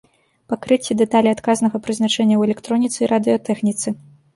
Пакрыцці дэталей адказнага прызначэння ў электроніцы і радыётэхніцы.